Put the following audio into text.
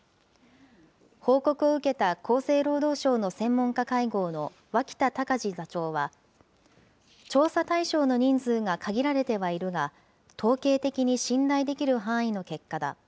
報告を受けた厚生労働省の専門家会合の脇田隆字座長は、調査対象の人数が限られてはいるが、統計的に信頼できる範囲の結果だ。